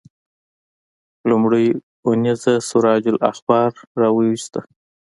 لومړۍ اونیزه سراج الاخبار راوویسته.